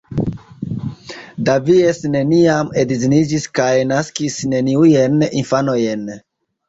Davies neniam edziniĝis kaj naskis neniujn infanojn.